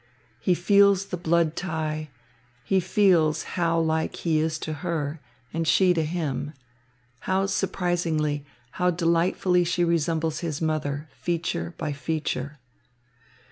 He feels the blood tie, he feels how like he is to her and she to him, how surprisingly, how delightfully she resembles his mother, feature by feature.